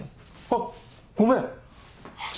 あっごめん！